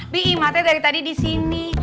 bi ingatnya dari tadi di sini